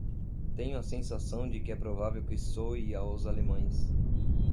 Tenho a sensação de que é provável que soe aos alemães.